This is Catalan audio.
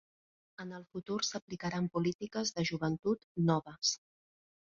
En el futur s'aplicaran polítiques de joventut noves.